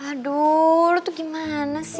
aduh lu tuh gimana sih